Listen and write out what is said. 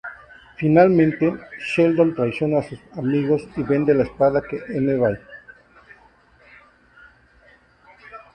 Finalmente, Sheldon traiciona a sus amigos y vende la espada que en Ebay.